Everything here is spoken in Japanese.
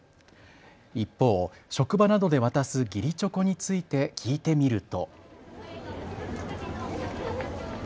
一方、職場などで渡す義理チョコについて聞いてみると。